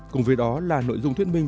cùng với đó là nội dung thuyết minh